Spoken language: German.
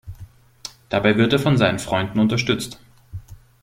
Dabei wird er von seinen Freunden unterstützt.